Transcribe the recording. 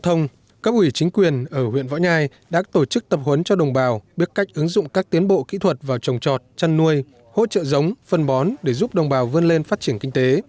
thông cấp ủy chính quyền ở huyện võ nhai đã tổ chức tập huấn cho đồng bào biết cách ứng dụng các tiến bộ kỹ thuật vào trồng trọt chăn nuôi hỗ trợ giống phân bón để giúp đồng bào vươn lên phát triển kinh tế